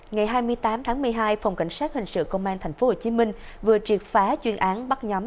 ngày hai mươi tám tháng một mươi hai phòng cảnh sát hình sự công an tp hcm vừa triệt phá chuyên án bắt nhóm